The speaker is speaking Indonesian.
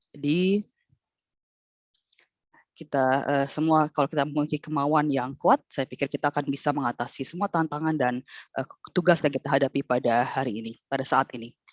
jadi kalau kita memiliki kemauan yang kuat saya pikir kita akan bisa mengatasi semua tantangan dan tugas yang kita hadapi pada saat ini